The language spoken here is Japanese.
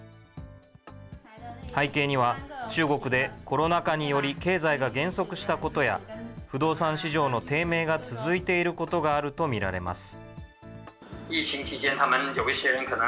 背景には、中国でコロナ禍により経済が減速したことや、不動産市場の低迷が続いていることがあると見られます。